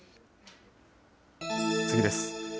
次です。